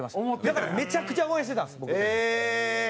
だからめちゃくちゃ応援してたんです僕。